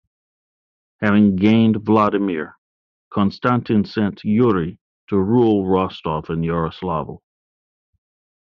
Having gained Vladimir, Konstantin sent Yuri to rule Rostov and Yaroslavl.